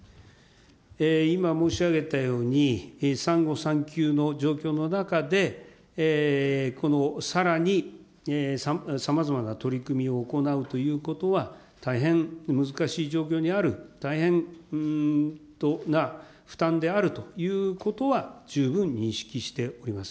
今申し上げたように、産後、産休の状況の中で、さらにさまざまな取り組みを行うということは、大変難しい状況にある、大変な負担であるということは十分認識しております。